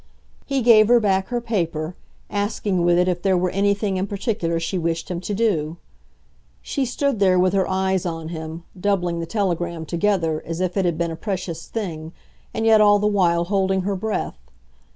He gave her back her paper, asking with it if there were anything in particular she wished him to do. She stood there with her eyes on him, doubling the telegram together as if it had been a precious thing and yet all the while holding her breath.